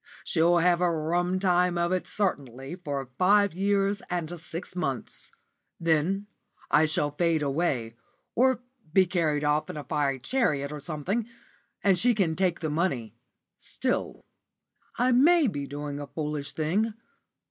She'll have a rum time of it certainly for five years and six months; then I shall fade away, or be carried off in a fiery chariot or something, and she can take the money. Still, I may be doing a foolish thing.